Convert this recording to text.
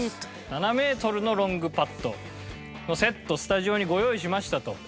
７メートルのロングパットのセットをスタジオにご用意しましたと。